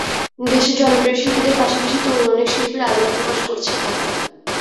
দেশের জনপ্রিয় শিল্পীদের পাশাপাশি তরুণ অনেক শিল্পীর অ্যালবাম প্রকাশ করছে তারা।